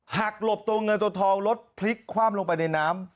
หลบตัวเงินตัวทองรถพลิกคว่ำลงไปในน้ำ